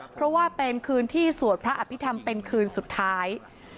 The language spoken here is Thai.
เพราะว่าเป็นคืนที่สวดพระอภิษฐรรมเป็นคืนสุดท้าย